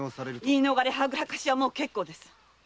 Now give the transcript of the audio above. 言い逃れやはぐらかしはもうけっこうです！